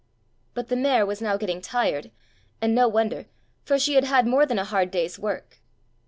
But the mare was now getting tired, and no wonder, for she had had more than a hard day's work.